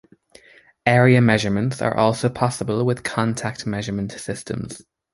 Area measurements are also possible with contact measurement systems.